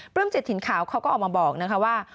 เปลื้มจิตถิ่นข่าวเขาก็ออกมาบอกว่า